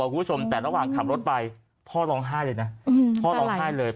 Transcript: คุณผู้ชมแต่ระหว่างขับรถไปพ่อร้องไห้เลยนะพ่อร้องไห้เลย